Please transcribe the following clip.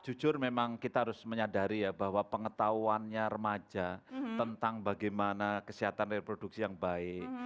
jujur memang kita harus menyadari ya bahwa pengetahuannya remaja tentang bagaimana kesehatan reproduksi yang baik